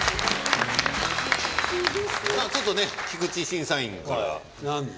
ちょっと菊地審査員から。